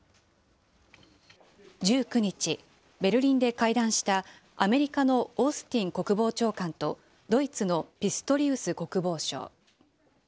１９日、ベルリンで会談したアメリカのオースティン国防長官とドイツのピストリウス国防相。